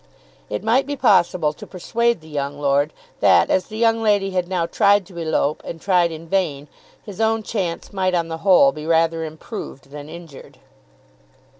It might be possible to persuade the young lord that as the young lady had now tried to elope and tried in vain, his own chance might on the whole be rather improved than injured.